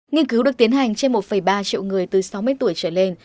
nghiên cứu được tiến hành trên một ba triệu người từ sáu mươi tuổi trở lên